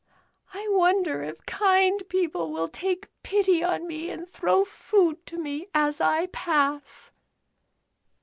I wonder if kind people will take pity on me and throw food to me as I pass ?" 6o The N. S.